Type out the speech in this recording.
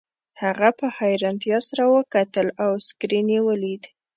هغه په حیرانتیا سره ورته وکتل او سکرین یې ولید